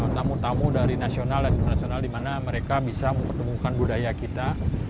tamu tamu dari nasional dan internasional di mana mereka bisa mempertemukan budaya kita